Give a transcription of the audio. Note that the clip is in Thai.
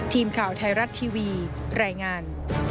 ทีมข่าวไทยรัฐทีวีรายงาน